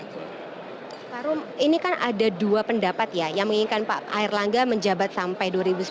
pak rum ini kan ada dua pendapat ya yang menginginkan pak air langga menjabat sampai dua ribu sembilan belas